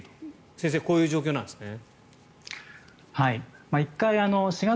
先生、こういう状況なんですね。